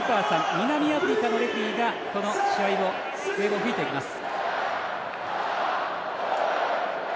南アフリカのレフリーがこの試合の笛を吹いていきます。